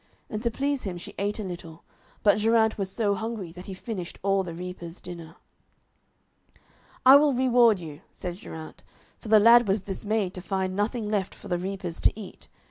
And to please him she ate a little, but Geraint was so hungry that he finished all the reapers' dinner. 'I will reward you,' said Geraint, for the lad was dismayed to find nothing left for the reapers to eat.